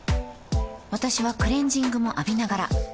私はクレジングも浴びながら